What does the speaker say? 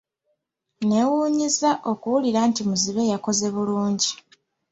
Neewuunyizza okuwulira nti muzibe yakoze bulungi.